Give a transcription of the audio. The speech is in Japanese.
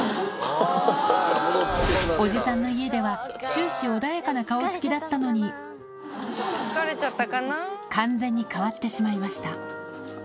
おじさんの家では、終始穏やかな顔つきだったのに、完全に変わってしまいました。